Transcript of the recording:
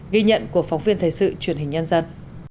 ghi nhận của phóng viên thời sự truyền hình nhân dân